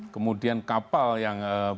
kemudian kapal yang